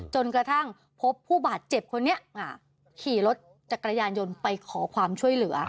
จนกระทั่งพบผู้บาดเจ็บคนนี้ขี่รถจักรยานยนต์ไปขอความช่วยเหลือ